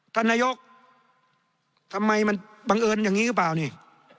ท่านนายกทำไมมันบังเอิญอย่างนี้หรือเปล่านี่